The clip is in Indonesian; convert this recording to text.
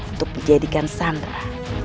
untuk menjadikan sandra